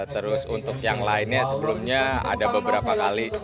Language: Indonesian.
terus untuk yang lainnya sebelumnya ada beberapa kali